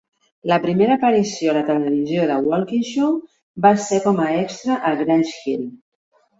La primera aparició a la televisió de Walkinshaw va ser com a extra a "Grange Hill".